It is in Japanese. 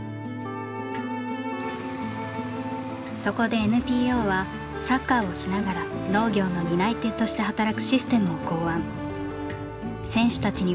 そこでＮＰＯはサッカーをしながら農業の担い手として働くシステムを考案。